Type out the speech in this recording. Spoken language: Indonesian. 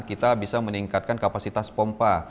kita bisa meningkatkan kapasitas pompa